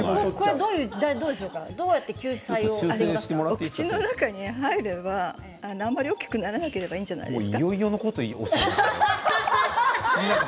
お口の中に入れば、あまり大きくならなければいいんじゃないですか。